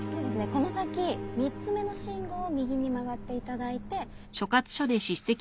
この先３つ目の信号を右に曲がっていただいて。